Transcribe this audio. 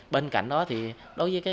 bên cạnh đó đối với